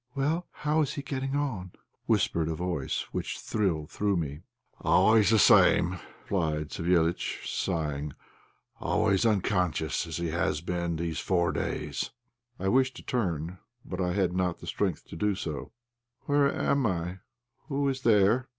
"Well, how is he getting on?" whispered a voice which thrilled through me. "Always the same still," replied Savéliitch, sighing; "always unconscious, as he has now been these four days." I wished to turn, but I had not strength to do so. "Where am I? Who is there?"